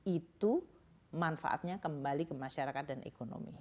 itu manfaatnya kembali ke masyarakat dan ekonomi